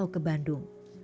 sampai kembali ke bandung